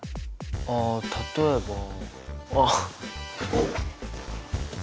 あ例えばあっ！